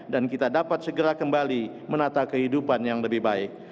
dan kita dapat segera kembali menata kehidupan yang lebih baik